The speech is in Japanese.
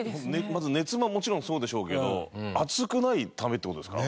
まず熱ももちろんそうでしょうけど熱くないためって事ですか？